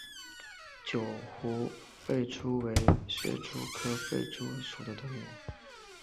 九湖弗蛛为皿蛛科弗蛛属的动物。